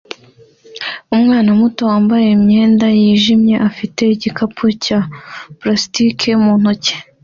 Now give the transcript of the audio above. Umwana muto wambaye imyenda yijimye afite igikapu cya plastiki mu ntoki